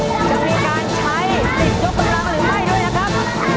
จะมีการใช้สิทธิ์ยกกำลังหรือไม่ด้วยนะครับ